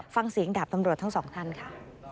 ฟังเสียงดาบตำรวจทั้งสองท่านค่ะ